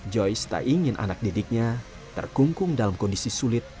joyce tak ingin anak didiknya terkungkung dalam kondisi sulit